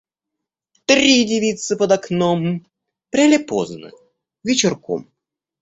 Три девицы под окном пряли поздно вечерком